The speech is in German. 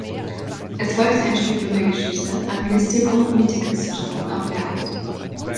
Es folgte ein Studium der Geschichte, Anglistik und Politikwissenschaften auf Lehramt.